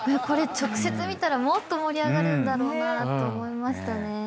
これ直接見たらもっと盛り上がるんだろうなって思いましたね。